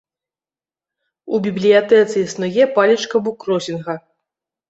У бібліятэцы існуе палічка буккросінга.